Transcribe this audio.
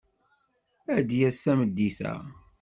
Ad d-yas tameddit-a.